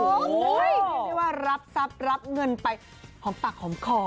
เรียกได้ว่ารับทรัพย์รับเงินไปหอมปากหอมคอ